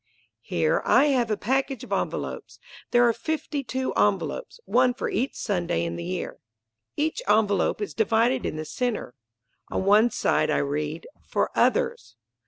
Here I have a package of envelopes. There are fifty two envelopes, one for each Sunday in the year. Each envelope is divided in the center. On one side I read, "For others."